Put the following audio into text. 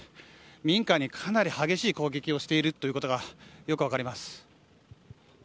民家にかなり激しい攻撃をしていることがよく分かります。